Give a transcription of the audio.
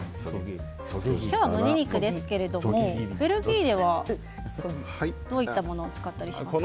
今日は胸肉ですけれどもベルギーではどういったものを使ったりしますか？